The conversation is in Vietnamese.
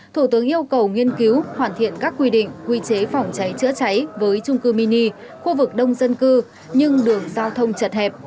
thủ tướng yêu cầu nghiên cứu hoàn thiện các quy định quy chế phòng cháy chữa cháy với trung cư mini khu vực đông dân cư nhưng đường giao thông chật hẹp